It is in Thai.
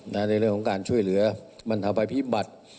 ในเรื่องของการช่วยเหลือบรรทภัยพิบัติ